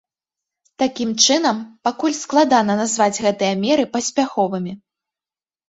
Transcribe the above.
Такім чынам, пакуль складана назваць гэтыя меры паспяховымі.